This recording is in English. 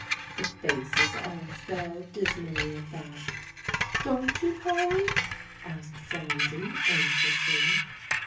The faces all fell dismally at that. "Don't you, Polly?" asked Phronsie anxiously.